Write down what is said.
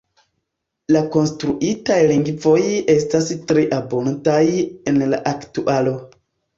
La konstruitaj lingvoj estas tre abundaj en la aktualo.